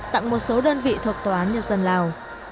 tặng một số đơn vị thuộc tòa án nhân dân lào